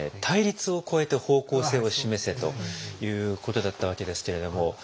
「対立を越えて方向性を示せ！」ということだったわけですけれども。